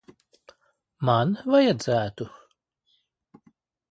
Man vajadzētu?